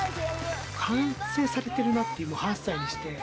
完成されてるなっていう８歳にして。